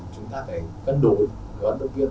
chúng ta phải cân đối với vận động viên